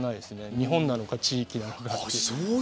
日本なのか地域なのか。